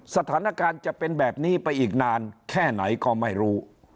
สถานการณ์จะเป็นแบบนี้ไปอีกนานแค่ไหนก็ไม่รู้